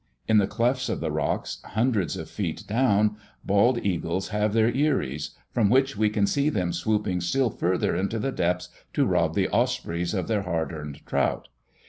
In the clefts of the rocks, hundreds of feet down, bald eagles have their eyries, from which we can see them swooping still further into the depths to rob the ospreys of their hard earned trout.